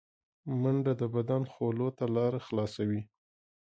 منډه د بدن خولو ته لاره خلاصوي